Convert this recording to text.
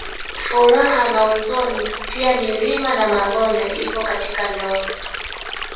Furaha na huzuni pia milima na mabonde ipo katika ndoa